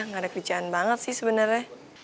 gak ada kerjaan banget sih sebenernya